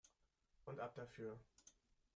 Und ab dafür!